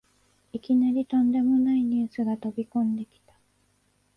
いきなりとんでもないニュースが飛びこんできた